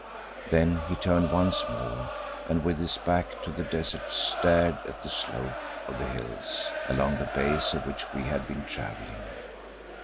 Then he turned once more, and with his back to the desert stared at the slope of the hills, along the base of which we had been travelling.